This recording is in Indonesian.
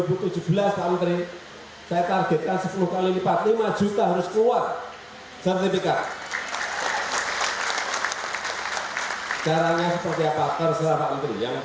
pemerintah akan membagikan sepuluh juta sertifikat tanah bagi warga jakarta